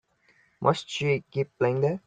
Must she keep playing that?